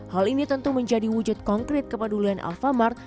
hal ini tentu menjadi wujud konkret kepedulian alfamart